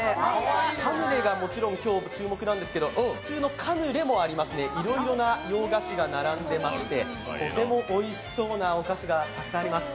パヌレがもちろん今日、注目なんですけど普通のカヌレもありますね、いろいろな洋菓子が並んでいまして、とてもおいしそうなお菓子がたくさんあります。